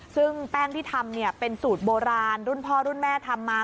ซึ่งแป้งที่ทำเป็นสูตรโบราณรุ่นพ่อรุ่นแม่ทำมา